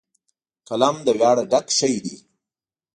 قلم له ویاړه ډک شی دی